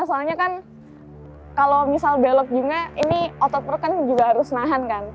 soalnya kan kalau misal belok juga ini otot perut kan juga harus nahan kan